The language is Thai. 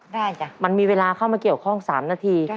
จ้ะมันมีเวลาเข้ามาเกี่ยวข้อง๓นาที